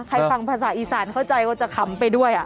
ฟังภาษาอีสานเข้าใจว่าจะขำไปด้วย